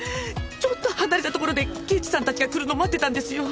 ちょっと離れたところで刑事さんたちが来るのを待ってたんですよ。